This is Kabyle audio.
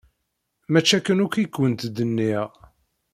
Mačči akken akk i kent-d-nniɣ!